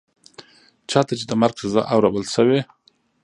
چا ته چي د مرګ سزا اورول شوې